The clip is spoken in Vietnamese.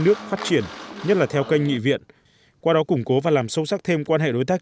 nước phát triển nhất là theo kênh nghị viện qua đó củng cố và làm sâu sắc thêm quan hệ đối tác